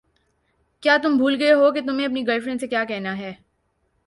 کیا تم بھول گئے ہو کہ تمہیں اپنی گرل فرینڈ سے کیا کہنا ہے؟